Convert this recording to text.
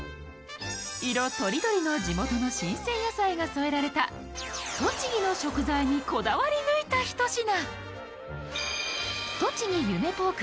色とりどりの地元の新鮮野菜が添えられた栃木の食材にこだわり抜いたひと品。